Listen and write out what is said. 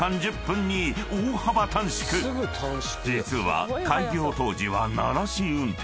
［実は開業当時は慣らし運転］